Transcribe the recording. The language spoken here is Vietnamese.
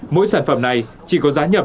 mỗi sản phẩm này chỉ có giá nhập